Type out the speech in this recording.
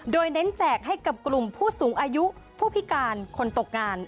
โดยเน้นแจกให้กับกลุ่มผู้สูงอายุผู้พิการคนตกงาน